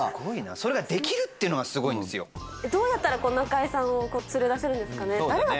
それができるっていうのがすどうやったら中居さんを連れ出せるんですかね？